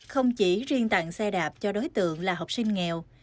không chỉ riêng tặng xe đạp cho đối tượng là học sinh nghèo